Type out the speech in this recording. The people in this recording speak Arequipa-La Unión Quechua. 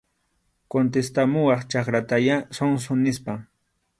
Contestamuwaq chakratayá, zonzo, nispa.